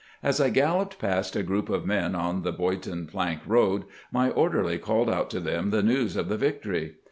As I galloped past a group of men on the Boydton plank road, my orderly called out to them the news of the victory.